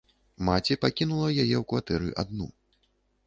Маці пакінула яе ў кватэры адну.